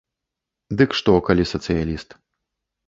Дык што, калі сацыяліст.